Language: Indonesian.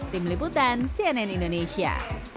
tim liputan cnn indonesia